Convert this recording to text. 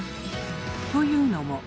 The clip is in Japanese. というのも。